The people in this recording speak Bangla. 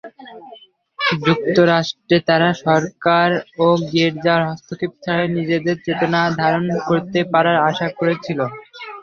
যুক্তরাষ্ট্রে তারা সরকার ও গীর্জার হস্তক্ষেপ ছাড়াই নিজেদের চেতনা ধারণ করতে পারার আশা করেছিলেন।